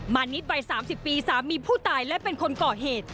มานิดวัย๓๐ปีสามีผู้ตายและเป็นคนก่อเหตุ